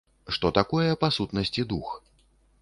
Што такое па сутнасці дух.